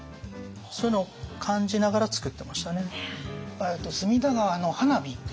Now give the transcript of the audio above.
そういうのを感じながら作ってましたね。